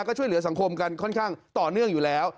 ก็ช่วยเหลือสังคมกันค่อนข้างต่อเนื่องอยู่แล้ว